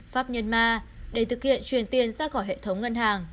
pháp nhân ma để thực hiện truyền tiền ra khỏi hệ thống ngân hàng